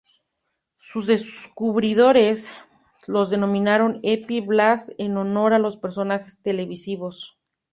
Sus descubridores los denominaron Epi y Blas en honor a los personajes televisivos.